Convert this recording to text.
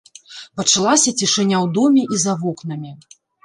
Пачалася цішыня ў доме і за вокнамі.